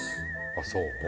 ああそう？